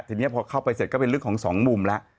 ทีนี้พอเข้าไปเสร็จก็เป็นเรื่องของสองมุมแล้ว